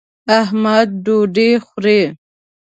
احمد ډوډۍ خوري.